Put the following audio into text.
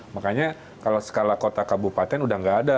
makanya kalau skala kota kabupaten sudah tidak ada